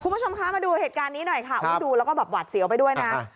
คุณผู้ชมคะมาดูเหตุการณ์นี้หน่อยค่ะดูแล้วก็แบบหวาดเสียวไปด้วยนะ